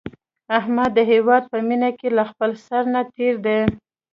احمد د هیواد په مینه کې له خپل سر نه تېر دی.